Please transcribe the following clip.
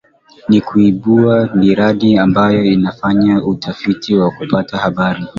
ni kuibua niradi ambayo itafanya utafiti na kupata habari